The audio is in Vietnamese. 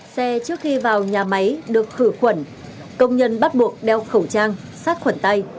xe trước khi vào nhà máy được khử khuẩn công nhân bắt buộc đeo khẩu trang sát khuẩn tay